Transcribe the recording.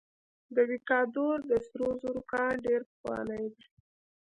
د ویکادور د سرو زرو کان ډیر پخوانی دی.